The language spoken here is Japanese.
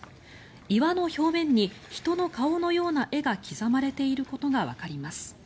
岩の表面に人の顔のような絵が刻まれていることがわかります。